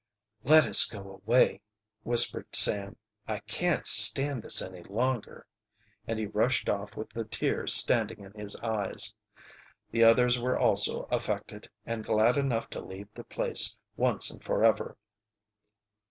"Let us go away," whispered Sam. "I can't stand this any longer!" And he rushed off with the tears standing in his eyes. The others were also affected, and glad enough to leave the place, once and forever.